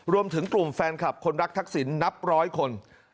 รวมถึงกลุ่มแฟนคลับคนรักทักษิณนับร้อยคน